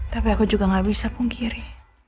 tapi aku juga gak bisa pungkiri